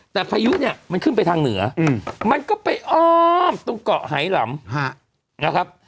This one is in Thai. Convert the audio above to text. แต่พายุเนี่ยมันขึ้นไปทางเหนือมันก็ไปอ้อมตรงเกาะไหลำนะครับ